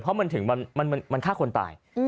เพราะมันถึงมันฆ่าคนตาย